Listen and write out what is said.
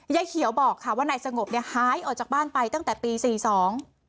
ยายเขียวบอกค่ะว่านายสงบเนี่ยหายออกจากบ้านไปตั้งแต่ปีสี่สอง